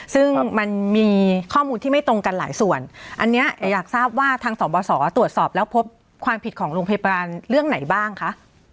ซึ่งมันมีข้อมูลที่ไม่ตรงกันหลายส่วนอันนี้อยากทราบว่าทางสบสตรวจสอบแล้วพบความผิดของโรงพยาบาลเรื่องไหนบ้างคะ